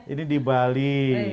ini di bali